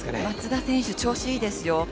松田選手、調子いいですよ。